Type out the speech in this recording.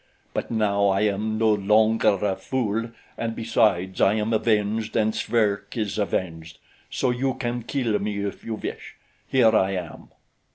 But now I am no longer a fool, and besides, I am avenged and Schwerke is avenged, so you can kill me if you wish. Here I am."